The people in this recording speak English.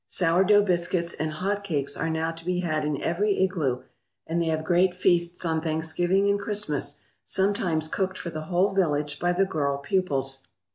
Sourdough biscuits and hot cakes are now to be had in every igloo, and they have great feasts on Thanksgiving and Christmas, sometimes cooked for the whole village by the girl pupils.